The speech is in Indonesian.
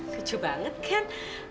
kecil banget ken